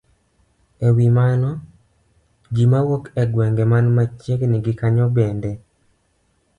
E wi mano, ji mawuok e gwenge man machiegni gi kanyo bende